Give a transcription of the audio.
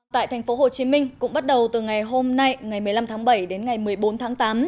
tại tp hcm cũng bắt đầu từ ngày hôm nay ngày một mươi năm tháng bảy đến ngày một mươi bốn tháng tám